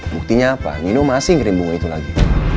buktinya apa nino masih ngerembungin itu lagi